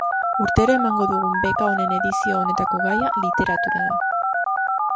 Urtero emango dugun beka honen edizio honetako gaia literatura da.